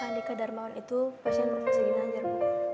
pak andika darmawan itu pasien prof ginanjar bu